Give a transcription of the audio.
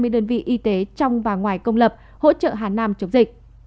ba mươi đơn vị y tế trong và ngoài công lập hỗ trợ hà nam chống dịch